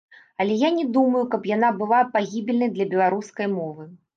Але я не думаю, каб яна была пагібельнай для беларускай мовы.